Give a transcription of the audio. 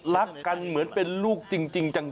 รักกันเหมือนเป็นลูกจริงจัง